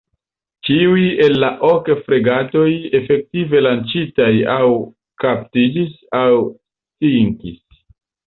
Ĉiuj el la ok fregatoj efektive lanĉitaj aŭ kaptiĝis aŭ sinkis.